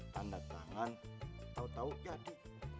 tanda tangan tau tau jadi